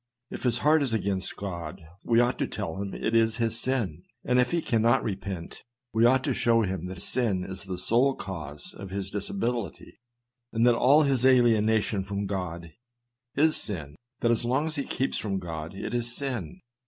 If his heart is against God, we ought to tell him it is his sin ; and if he cannot repent, we ought to show him that sin is the sole cause of his disability — that all his alienation from God is sin — that as long as he keeps from God it is sin.